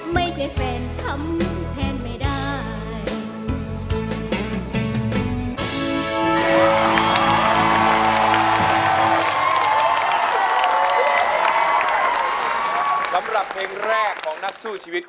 ไม่ใช่แฟนทำแทนไม่ได้